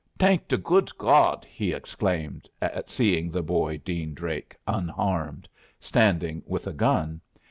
"Thank the good God!" he exclaimed, at seeing the boy Dean Drake unharmed, standing with a gun.